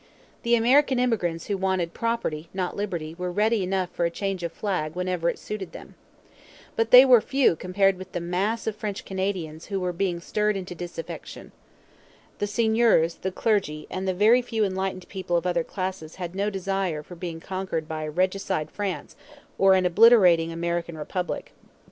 The American immigrants who wanted 'property not liberty' were ready enough for a change of flag whenever it suited them. But they were few compared with the mass of French Canadians who were being stirred into disaffection. The seigneurs, the clergy, and the very few enlightened people of other classes had no desire for being conquered by a regicide France or an obliterating American Republic.